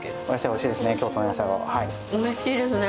お野菜おいしいですね。